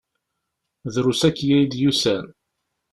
Drus akya i d-yusan.